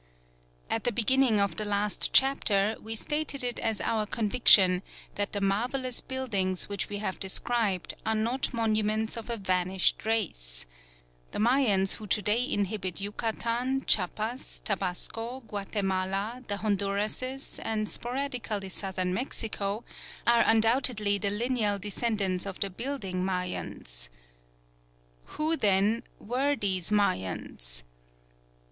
At the beginning of the last chapter we stated it as our conviction that the marvellous buildings which we have described are not monuments of a vanished race. The Mayans who to day inhabit Yucatan, Chiapas, Tabasco, Guatemala, the Hondurases, and sporadically Southern Mexico, are undoubtedly the lineal descendants of the building Mayans. Who, then, were these Mayans?